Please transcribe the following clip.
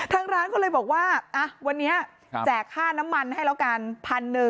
ทางร้านก็เลยบอกว่าวันนี้แจกค่าน้ำมันให้แล้วกัน